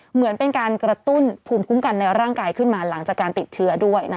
เหมือนเป็นการกระตุ้นภูมิคุ้มกันในร่างกายขึ้นมาหลังจากการติดเชื้อด้วย